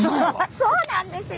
そうなんですよ！